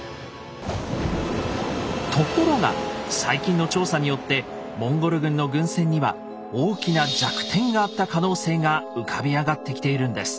ところが最近の調査によってモンゴル軍の軍船には大きな弱点があった可能性が浮かび上がってきているんです。